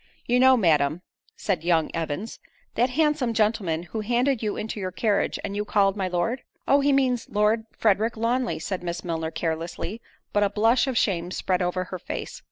"You know, Madam," said young Evans, "that handsome gentleman who handed you into your carriage, and you called my Lord." "Oh! he means Lord Frederick Lawnly:" said Miss Milner carelessly, but a blush of shame spread over her face.